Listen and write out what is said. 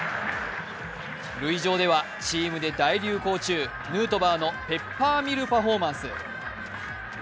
塁上ではチームで大流行中、ヌートバーのペッパーミルパフォーマンス。